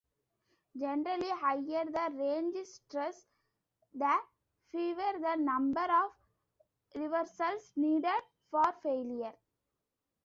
Generally, higher the range stress, the fewer the number of reversals needed for failure.